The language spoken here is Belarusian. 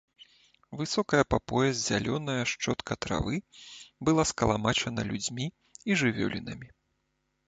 Высокая па пояс зялёная шчотка травы была скалмачана людзьмі і жывёлінамі.